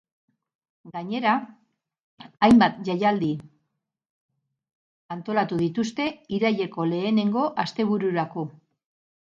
Gainera, hainbat jaialdi antolatu dituzte iraileko lehenengo astebururako.